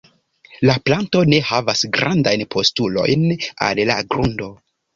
La planto ne havas grandajn postulojn al la grundo.